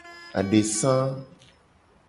Adesa.